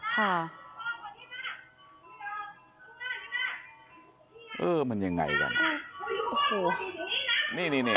ค่ะมันยังไงกันโอ้โหนี่นี่